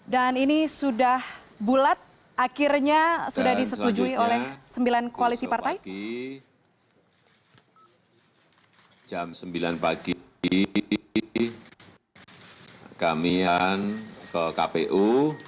dan selanjutnya jam sembilan pagi jam sembilan pagi kami ke kpu